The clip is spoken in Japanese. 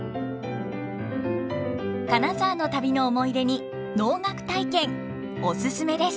金沢の旅の思い出に能楽体験お勧めです！